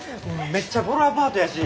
めっちゃぼろアパートやし。